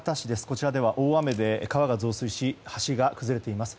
こちらでは、大雨で川が増水し橋が崩れています。